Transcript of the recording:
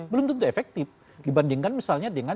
belum tentu efektif dibandingkan misalnya dengan